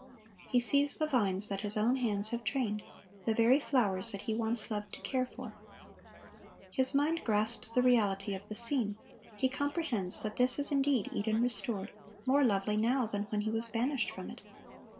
He sees the vines that his own hands have trained, the very flowers that he once loved to care for. His mind grasps the reality of the scene; he comprehends that this is indeed Eden restored, more lovely now than when he was banished from it.